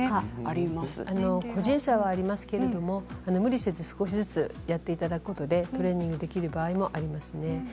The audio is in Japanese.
個人差はありますけれども無理せず少しずつやっていただくことでトレーニングできる場合もありますね。